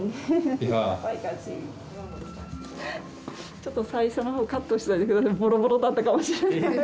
ちょっと最初のほうカットしといてくださいボロボロだったかもしれないですえ